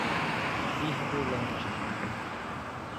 Virgolândia